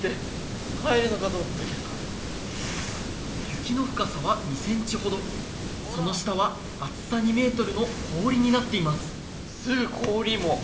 雪の深さは２センチほどその下は厚さ２メートルの氷になっています